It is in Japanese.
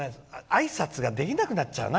あいさつができなくなっちゃうな